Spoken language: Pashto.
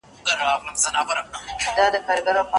زوی به په بازار کي ساعت ونه پلوري.